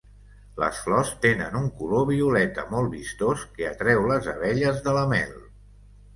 Les flors tenen un color violeta molt vistós que atreu les abelles de la mel.